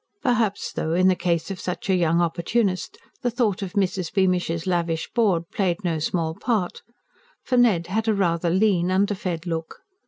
Perhaps though, in the case of such a young opportunist, the thought of Mrs. Beamish's lavish board played no small part; for Ned had a rather lean, underfed look.